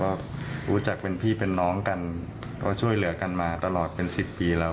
ก็รู้จักเป็นพี่เป็นน้องกันก็ช่วยเหลือกันมาตลอดเป็นสิบปีแล้ว